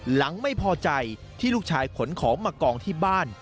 หลังไม่พอใจที่ลูกชายขนของมากองที่บ้าน